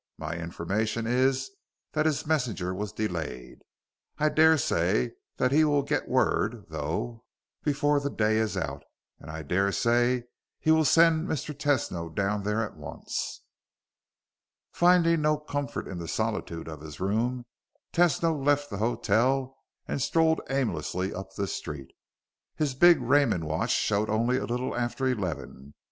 "My information is that his messenger was delayed. I dare say that he will get word, though, before the day is out. And I dare say he will send Mr. Tesno down there at once." Finding no comfort in the solitude of his room, Tesno left the hotel and strolled aimlessly up the street. His big Raymond watch showed only a little after eleven.